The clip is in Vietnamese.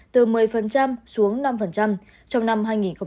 từ một mươi xuống năm trong năm hai nghìn hai mươi một hai nghìn hai mươi hai